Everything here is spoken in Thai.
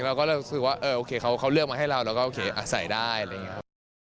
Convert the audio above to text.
เราก็เลยรู้สึกว่าเออโอเคเขาเลือกมาให้เราแล้วก็โอเคอาศัยได้อะไรอย่างนี้ครับ